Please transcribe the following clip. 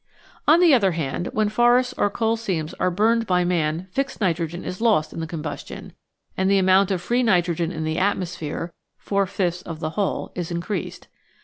On the other hand, when forests or coal seams are burned by man fixed nitrogen is lost in the combustion, and the amount of free nitrogen in the atmosphere (four fifths of the whole) is increased.